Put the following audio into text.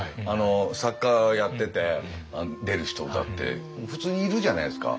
作家やってて出る人だって普通にいるじゃないですか。